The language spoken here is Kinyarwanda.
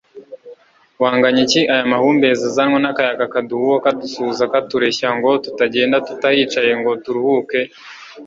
wanganya iki aya mahumbezi azanwa n'akayaga kaduhuha kadusuhuza katureshya ngo tutagenda tutahicaye ngo turuhuke?